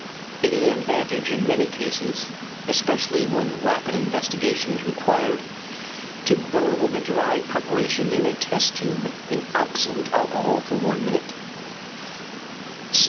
It is an advantage in many cases, especially when rapid investigation is required, to boil the dried preparation in a test tube in absolute alcohol for one minute.